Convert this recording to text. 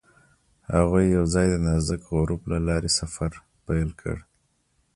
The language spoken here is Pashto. هغوی یوځای د نازک غروب له لارې سفر پیل کړ.